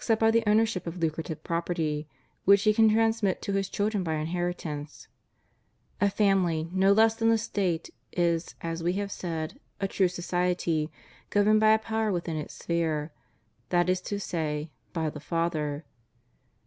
28. CONDITION OF THE WORKING CLASSES. 215 by the ownership of lucrative property, which he can transmit to his children by inheritance. A family, no less than a State, is, as we have said, a true society, governed by a power within its sphere, that is to say, by the father.